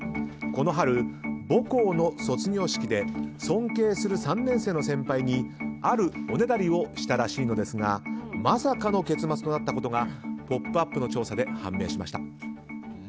この春、母校の卒業式で尊敬する３年生の先輩にあるおねだりをしたらしいのですがまさかの結末となったことが「ポップＵＰ！」の調査で判明しました。